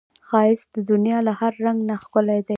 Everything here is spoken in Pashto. ښایست د دنیا له هر رنګ نه ښکلی دی